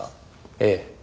ええ。